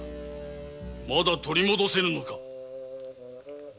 まだ取り戻せぬのか？